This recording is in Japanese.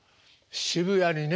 渋谷にね。